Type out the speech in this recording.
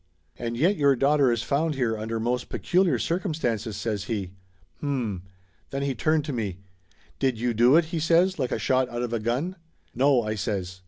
"And yet your daughter is found here under most peculiar circumstances," says he. "H'm!" Then he turned to me, "Did you do it?" he says like a shot out of a gun. "No!" I says.